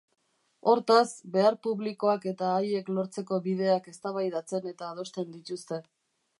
Hortaz, behar publikoak eta haiek lortzeko bideak eztabaidatzen eta adosten dituzte.